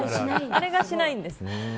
あれがしないんです。